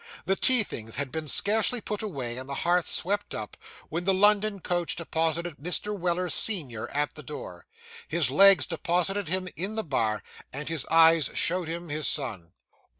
The tea things had been scarcely put away, and the hearth swept up, when the London coach deposited Mr. Weller, senior, at the door; his legs deposited him in the bar; and his eyes showed him his son.